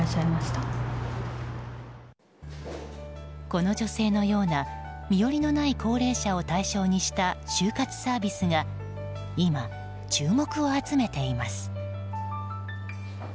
この女性のような身寄りのない高齢者を対象にした終活サービスが今注目を集めています。